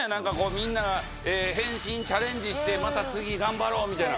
みんなが変身チャレンジしてまた次頑張ろうみたいな。